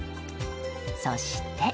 そして。